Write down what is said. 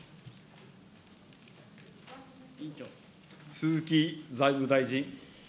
鈴木財務大臣。